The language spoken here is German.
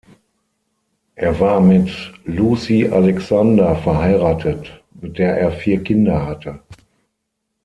Er war mit Lucy Alexander verheiratet, mit der er vier Kinder hatte.